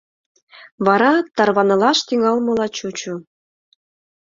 Вара тарванылаш тӱҥалмыла чучо.